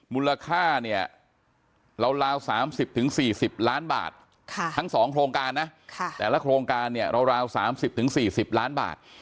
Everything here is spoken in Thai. มูลค่าเนี่ยราว๓๐๔๐ล้านบาททั้ง๒โครงการนะแต่ละโครงการเนี่ยราว๓๐๔๐ล้านบาท